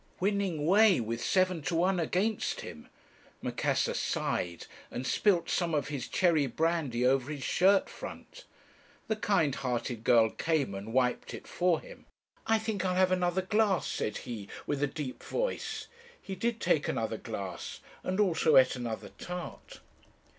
"Winning way, with seven to one against him! Macassar sighed, and spilt some of his cherry brandy over his shirt front. The kind hearted girl came and wiped it for him. 'I think I'll have another glass,' said he, with a deep voice. He did take another glass and also ate another tart.